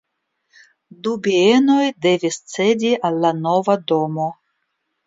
Du bienoj devis cedi al la nova domo.